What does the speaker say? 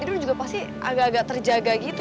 itu juga pasti agak agak terjaga gitu